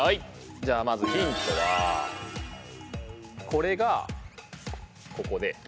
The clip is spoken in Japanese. じゃあまずヒントはこれがここで。